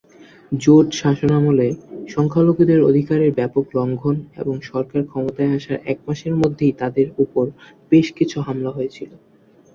জোট শাসনামলে সংখ্যালঘুদের অধিকারের ব্যাপক লঙ্ঘন এবং সরকার ক্ষমতায় আসার এক মাসের মধ্যেই তাদের উপর বেশকিছু হামলা হয়েছিল।